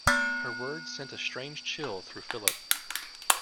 Her words sent a strange chill through Philip.